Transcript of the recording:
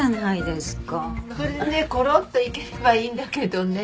それでねコロッといければいいんだけどね。